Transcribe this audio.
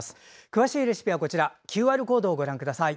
詳しいレシピはＱＲコードをご覧ください。